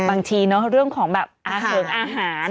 บางทีเนอะเรื่องของแบบอาหาร